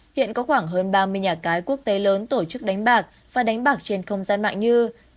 hiện có khoảng hơn ba mươi nhà cái quốc tế lớn tổ chức đánh bạc và đánh bạc trên không gian mạng như